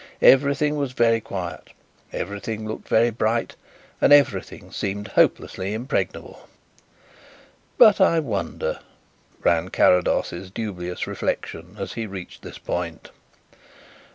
Everything was very quiet, everything looked very bright, and everything seemed hopelessly impregnable. "But I wonder?" ran Carrados's dubious reflection as he reached this point.